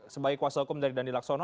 sebagai kuasa hukum dari dandi laksono